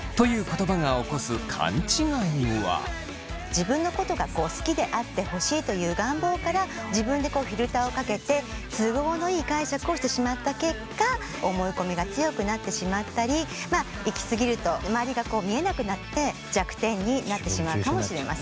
自分のことが好きであってほしいという願望から自分でフィルターをかけて都合のいい解釈をしてしまった結果思い込みが強くなってしまったり行き過ぎると周りがこう見えなくなって弱点になってしまうかもしれません。